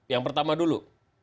yang pertama dulu